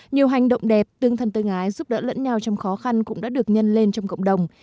nhiều hành động đẹp tương thân tương ái giúp đỡ lẫn nhau trong khó khăn cũng đã được nhân lên trong cộng đồng